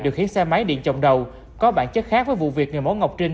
điều khiển xe máy điện trọng đầu có bản chất khác với vụ việc người mẫu ngọc trinh